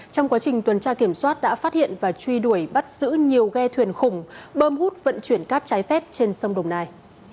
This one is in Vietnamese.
trong quá trình tuần tra kiểm soát đã phát hiện và truy đuổi bắt giữ nhiều ghe thuyền khủng bơm hút vận chuyển cát trái phép trên sông đồng nai